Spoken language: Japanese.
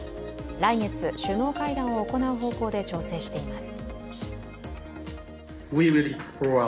来月、首脳会談を行う方向で調整しています。